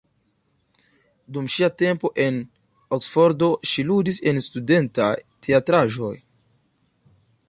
Dum ŝia tempo en Oksfordo, ŝi ludis en studentaj teatraĵoj.